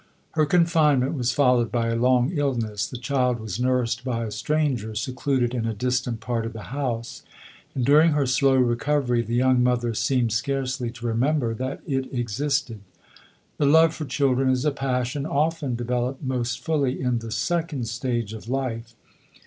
Her confinement was followed 128 lodoiu:. by a long illness ; the child was nursed by a stranger, secluded in a distant part of the house; and during her slow recovery, the young mother seemed scarcely to remember that it existed. The love for children is a passion often developed most fully in the second stage of life.